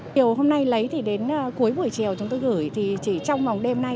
chiều hôm nay lấy thì đến cuối buổi chiều chúng tôi gửi thì chỉ trong vòng đêm nay